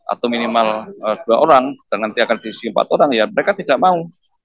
atau minimal dua orang dan nanti akan diisi empat orang ya mereka tidak mau